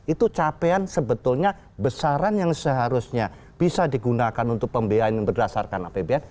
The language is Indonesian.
itu capaian sebetulnya besaran yang seharusnya bisa digunakan untuk pembiayaan yang berdasarkan apbn